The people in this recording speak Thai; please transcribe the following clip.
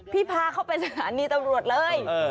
พาเข้าไปสถานีตำรวจเลย